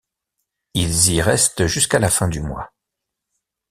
Ils y restent jusqu'à la fin du mois.